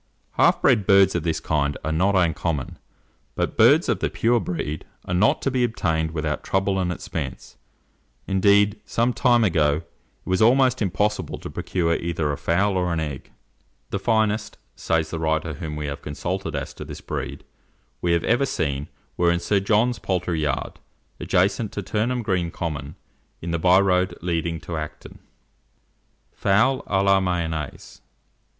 Half bred birds of this kind are not uncommon, but birds of the pure breed are not to be obtained without trouble and expense; indeed, some time ago, it was almost impossible to procure either a fowl or an egg. "The finest," says the writer whom we have consulted as to this breed, "we have ever seen, were in Sir John's poultry yard, adjacent to Turnham Green Common, in the byroad leading to Acton." FOWL A LA MAYONNAISE. 962.